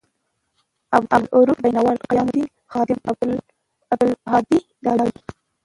عبدا لروؤف بینوا، قیام الدین خادم، عبدالهادي داوي